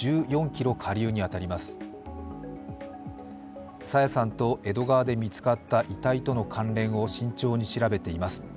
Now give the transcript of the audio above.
朝芽さんと江戸川で見つかった遺体との関連を慎重に調べています。